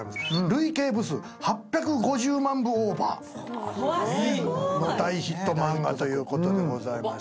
累計部数８５０万部オーバーの大ヒット漫画ということでございまして。